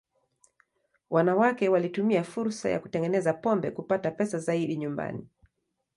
Wanawake walitumia fursa ya kutengeneza pombe kupata pesa zaidi nyumbani.